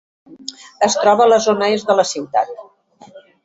Es troba a la zona est de la ciutat.